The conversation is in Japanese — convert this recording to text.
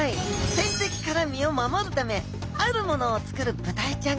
天敵から身を守るためあるものを作るブダイちゃんがいます。